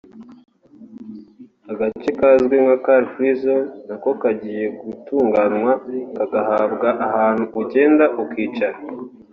agace kazwi nka Car Free Zone nako kagiye gutunganywa kagahabwa ahantu ugenda ukicara